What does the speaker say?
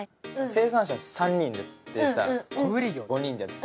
生産者３人でさ小売業５人でやってたやん。